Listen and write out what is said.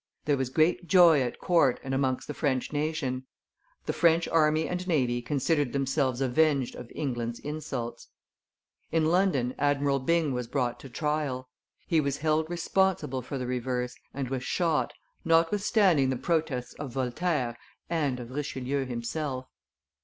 There was great joy at court and amongst the French nation; the French army and navy considered themselves avenged of England's insults. In London Admiral Byng was brought to trial; he was held responsible for the reverse, and was shot, notwithstanding the protests of Voltaire and of Richelieu himself.